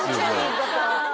言い方